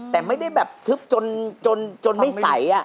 แต่ไม่ได้แบบทึบจนไม่ใส